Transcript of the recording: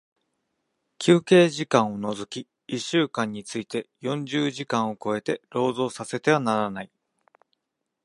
休憩時間を除き一週間について四十時間を超えて、労働させてはならない。